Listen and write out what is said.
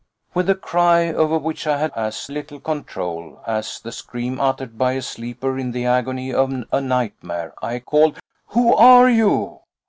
With a cry, over which I had as little control as the scream uttered by a sleeper in the agony of a nightmare, I called: "Who are you?"